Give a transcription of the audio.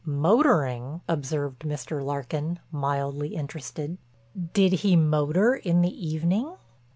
"Motoring," observed Mr. Larkin, mildly interested, "did he motor in the evening?"